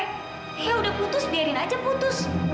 eh udah putus biarin aja putus